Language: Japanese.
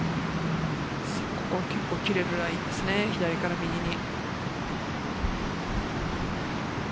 結構切れるラインですね、左から右に。